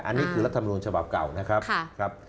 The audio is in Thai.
อันนี้คือรัฐมนูลฉบับเก่านะครับ